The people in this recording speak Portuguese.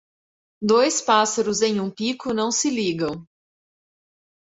Dois pássaros em um pico não se ligam.